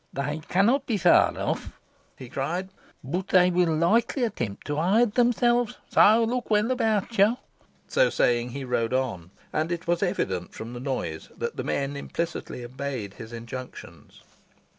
"They cannot be far off," he cried; "but they will most likely attempt to hide themselves, so look well about you." So saying, he rode on, and it was evident from the noise, that the men implicitly obeyed his injunctions.